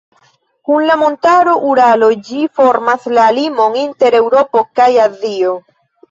Kun la montaro Uralo ĝi formas la limon inter Eŭropo kaj Azio.